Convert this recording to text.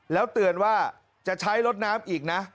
แล้วเตือนว่าจะใช้รถน้ำอีกนะ